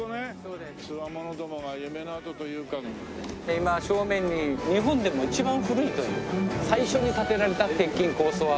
今正面に日本でも一番古いという最初に建てられた鉄筋高層アパート。